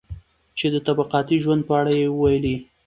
چې د طبقاتي ژوند په اړه يې وويلي.